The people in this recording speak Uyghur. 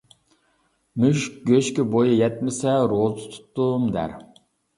مۈشۈك گۆشكە بويى يەتمىسە، روزى تۇتتۇم دەر.